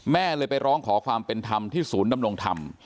แม่เลยไปร้องขอความเป็นธรรมที่ศูนย์ดำรงธรรม